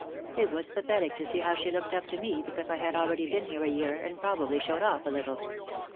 It was pathetic to see how she looked up to me because I had already been here a year, and probably showed off a little.